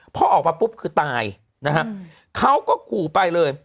พอออกมาปุ๊บคือตายนะฮะเขาก็ขู่ไปเลย